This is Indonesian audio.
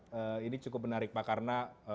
tentang cewek puwarco yang digunakan